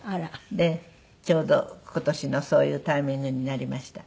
でちょうど今年のそういうタイミングになりました。